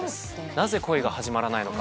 なぜ恋が始まらないのか？